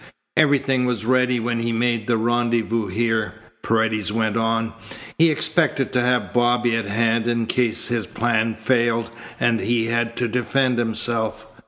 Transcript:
"Everything was ready when he made the rendezvous here," Paredes went on. "He expected to have Bobby at hand in case his plan failed and he had to defend himself.